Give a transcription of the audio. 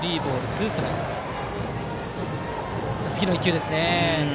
次の１球ですね。